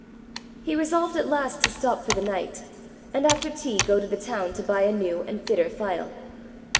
He resolved at last to stop for the night, and after tea go to the town to buy a new and fitter file.